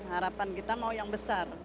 harapan kita mau yang besar